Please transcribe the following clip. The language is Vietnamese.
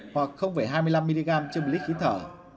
hoặc hai mươi năm mg trên một lít khí thở